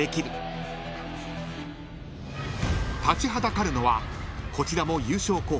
［立ちはだかるのはこちらも優勝候補